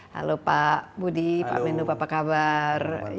halo pak budi pak mendo bapak kabar